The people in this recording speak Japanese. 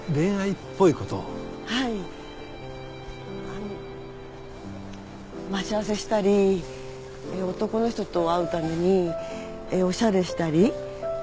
あのう待ち合わせしたり男の人と会うためにおしゃれしたり。